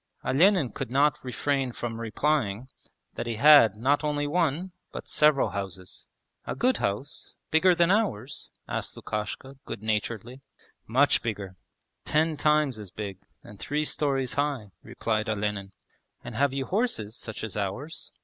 Olenin could not refrain from replying that he had not only one, but several houses. 'A good house? Bigger than ours?' asked Lukashka good naturedly. 'Much bigger; ten times as big and three storeys high,' replied Olenin. 'And have you horses such as ours?'